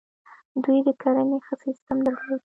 دوی د کرنې ښه سیستم درلود